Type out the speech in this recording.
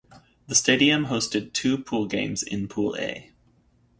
The stadium hosted two pool games in Pool A.